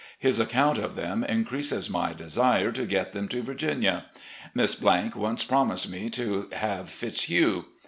His accotmt of them increases my desire to get them to Virginia. Miss once promised me to have Fitzhugh.